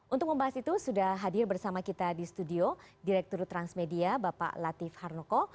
untuk membahas itu sudah hadir bersama kita di studio direktur transmedia bapak latif harnoko